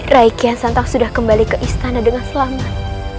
raikian santang sudah kembali ke istana dengan selamat